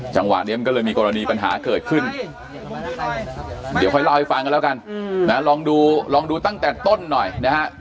จังหวะนี้มันก็เลยมีกรณีปัญหาเกิดขึ้นเดี๋ยวค่อยเล่าให้ฟังกันแล้วกันนะลองดูลองดูตั้งแต่ต้นหน่อยนะฮะ